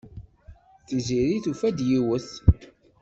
Tiziri tufa-d yiwet.